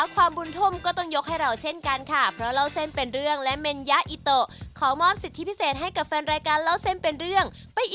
ขอบคุณค่ะครับผมวันนี้ขอบคุณมากมากนะครับขอบคุณค่ะขอบคุณมาก